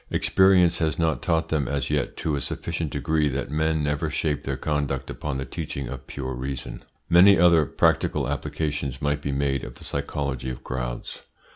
Experience has not taught them as yet to a sufficient degree that men never shape their conduct upon the teaching of pure reason. Many other practical applications might be made of the psychology of crowds.